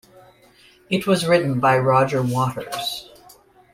It was written by Roger Waters.